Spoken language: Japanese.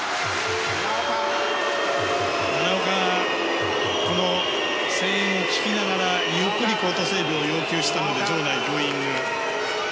奈良岡、この声援を聞きながらゆっくりコート整備を要求したので場内、ブーイング。